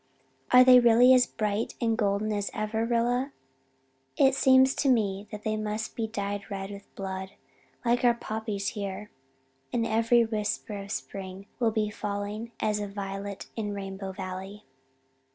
Are they really as bright and golden as ever, Rilla? It seems to me that they must be dyed red with blood like our poppies here. And every whisper of spring will be falling as a violet in Rainbow Valley.